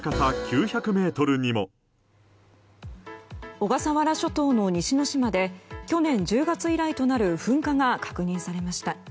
小笠原諸島の西之島で去年１０月以来となる噴火が確認されました。